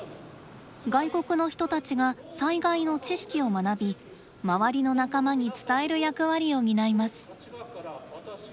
外国の人たちが災害の知識を学び周りの仲間に伝える役割を担います。